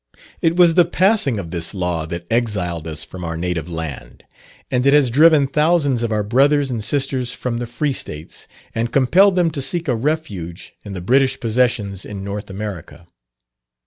It was the passing of this law that exiled us from our native land, and it has driven thousands of our brothers and sisters from the free States, and compelled them to seek a refuge in the British possessions in North America.